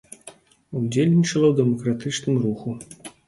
Удзельнічала ў дэмакратычным руху.